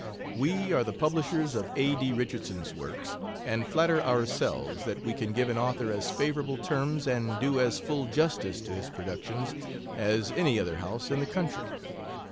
We are the publishers of A. D. Richardson's works, and flatter ourselves that we can give an author as favorable terms and do as full justice to his productions as any other house in the country.